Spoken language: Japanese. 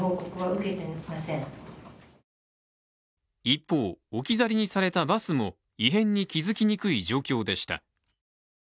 一方、置き去りにされたバスも異変に気づきにくい状況でした。